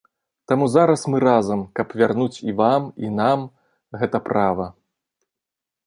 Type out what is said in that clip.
Таму зараз мы разам, каб вярнуць і вам, і нам гэта права.